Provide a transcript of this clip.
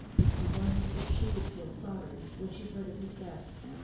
He wondered if she would feel sorry, when she heard of his death.